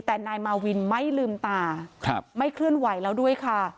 แต่นายมาวินไม่ลืมตาไม่เคลื่อนไหวแล้วด้วยค่ะ